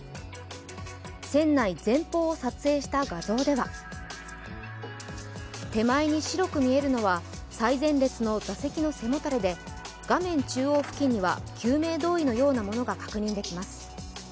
船内前方を撮影した画像では手前に白く見えるのは、最前列の座席の背もたれで、画面中央付近には救命胴衣のようなものが確認できます。